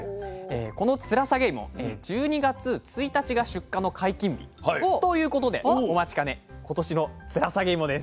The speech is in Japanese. このつらさげ芋１２月１日が出荷の解禁日ということでお待ちかね今年のつらさげ芋です。